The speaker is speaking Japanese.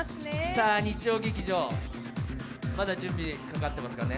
さぁ、日曜劇場、まだ準備かかってますかね。